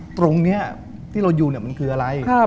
ตรงนี้ที่เราอยู่มันคืออะไร